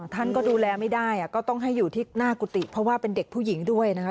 ท่านก็ดูแลไม่ได้ก็ต้องให้อยู่ที่หน้ากุฏิเพราะว่าเป็นเด็กผู้หญิงด้วยนะคะ